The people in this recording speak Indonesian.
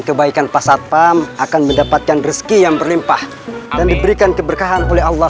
kebaikan pasatpam akan mendapatkan rezeki yang berlimpah dan diberikan keberkahan oleh allah